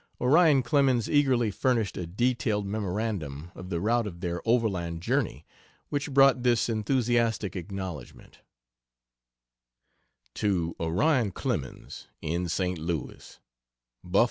Orion Clemens eagerly furnished a detailed memorandum of the route of their overland journey, which brought this enthusiastic acknowledgment: To Orion Clemens, in St. Louis: BUF.